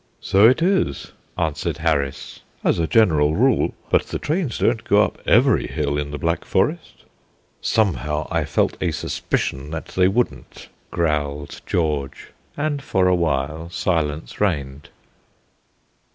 "So it is," answered Harris, "as a general rule. But the trains don't go up every hill in the Black Forest." "Somehow, I felt a suspicion that they wouldn't," growled George; and for awhile silence reigned.